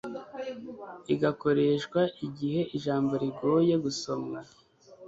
igakoreshwa igihe ijambo rigoye gusomwa